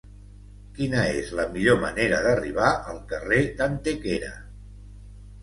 Quina és la millor manera d'arribar al carrer d'Antequera?